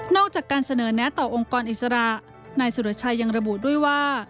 จากการเสนอแนะต่อองค์กรอิสระนายสุรชัยยังระบุด้วยว่า